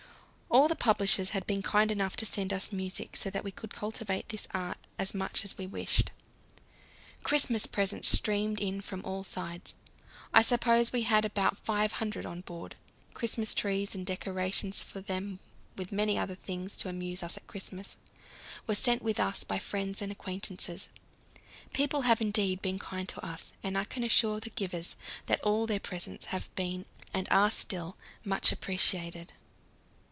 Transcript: All the publishers had been kind enough to send us music, so that we could cultivate this art as much as we wished. Christmas presents streamed in from all sides; I suppose we had about five hundred on board. Christmas trees and decorations for them, with many other things to amuse us at Christmas, were sent with us by friends and acquaintances. People have indeed been kind to us, and I can assure the givers that all their presents have been, and are still, much appreciated.